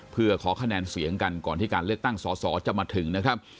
เพื่อขอคะแนนเสียงกันก่อนที่การเลือกตั้งสอสอจะมาถึงนะครับ